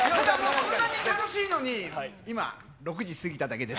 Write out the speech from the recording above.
こんなに楽しいのに、今、６時過ぎただけです。